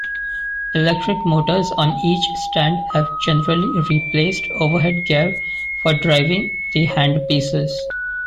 Electric motors on each stand have generally replaced overhead gear for driving the handpieces.